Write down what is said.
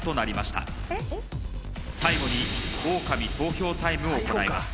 最後にオオカミ投票タイムを行います。